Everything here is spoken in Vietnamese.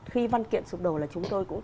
khi văn kiện sụp đổ là chúng tôi cũng